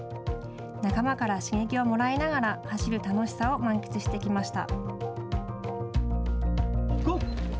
仲間から刺激をもらいながら走る楽しさを満喫してきました。